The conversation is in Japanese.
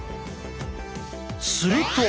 すると！